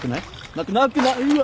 なくなくなうわ！